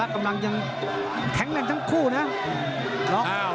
กำลังอย่างแทงแดงทั้งคู่น่ะล็อกเอ้า